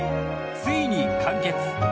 ついに完結。